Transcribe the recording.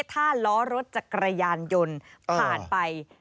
ถ้าล้อรถจักรยานยนต์ผ่านไป